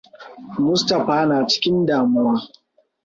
Mustaphaa na cikin damuwa.